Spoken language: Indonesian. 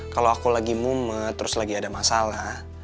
kalau aku lagi mumet terus lagi ada masalah